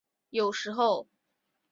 有时候。